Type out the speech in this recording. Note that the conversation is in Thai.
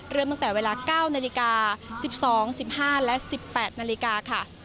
เริ่มตั้งแต่เวลา๙นาฬิกา๑๒๑๕และ๑๘นาฬิกาค่ะ